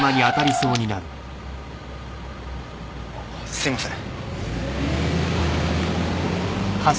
すみません。